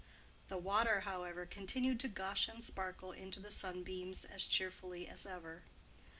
The water, however, continued to gush and sparkle into the sunbeams as cheerfully as ever.